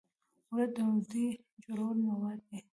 اوړه د ډوډۍ جوړولو مواد دي